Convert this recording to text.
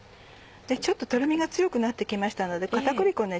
ちょっととろみが強くなって来ましたので片栗粉ね